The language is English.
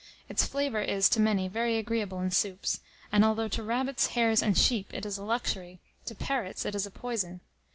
Its flavour is, to many, very agreeable in soups; and although to rabbits, hares, and sheep it is a luxury, to parrots it is a poison.